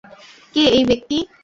কে এই ব্যক্তি?